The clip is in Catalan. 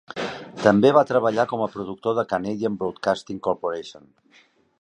També va treballar com a productor de Canadian Broadcasting Corporation.